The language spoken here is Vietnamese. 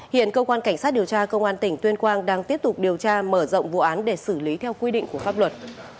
hiện cơ quan cảnh sát điều tra công an tỉnh tuyên quang đang tiếp tục điều tra mở rộng vụ án để xử lý theo quy định của pháp luật